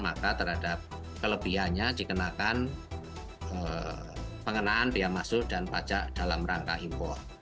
maka terhadap kelebihannya dikenakan pengenaan biaya masuk dan pajak dalam rangka impor